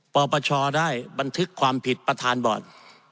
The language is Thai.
ปปชได้บันทึกความผิดประธานบอร์ด